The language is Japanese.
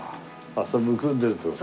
それむくんでるって事？